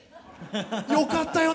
「よかったよね